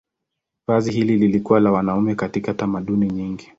Vazi hili lilikuwa la wanaume katika tamaduni nyingi.